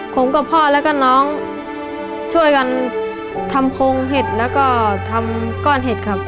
ผมกับพ่อแล้วก็น้องช่วยกันทำโครงเห็ดแล้วก็ทำก้อนเห็ดครับ